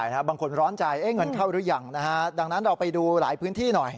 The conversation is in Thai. บางคนร้อนใจเงินเข้าหรือยังนะฮะดังนั้นเราไปดูหลายพื้นที่หน่อย